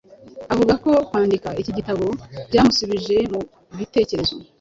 Avuga ko kwandika iki gitabo byamusubije mu bitekerezo